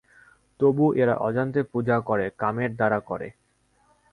তবু এরা অজান্তে পূজা করে, কামের দ্বারা করে।